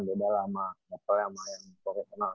beda lah sama nbl sama yang profesional